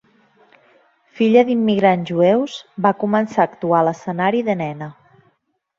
Filla d'immigrants jueus, va començar a actuar a l'escenari de nena.